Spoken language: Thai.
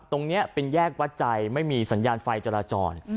ตรงนี้เป็นแยกวัดใจไม่มีสัญญาณไฟจราจร